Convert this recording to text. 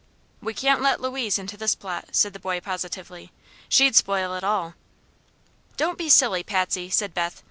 "We can't let Louise into this plot," said the boy, positively; "she'd spoil it all." "Don't be silly, Patsy," said Beth.